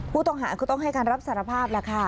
ผู้ต้องหาคือต้องให้การรับสารภาพแหละค่ะ